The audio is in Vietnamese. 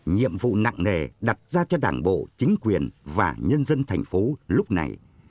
nhiệm vụ nặng nề đặt ra cho đảng bộ chính quyền và nhân dân thành phố lúc này